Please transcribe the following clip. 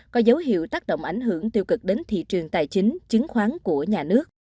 có dấu hiệu tác động ảnh hưởng tiêu cực đến thị trường tài chính chứng khoán của nhà nước